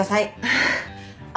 あっ。